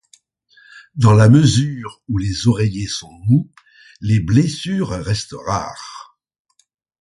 Dans la mesure où les oreillers sont mous, les blessures restent rares.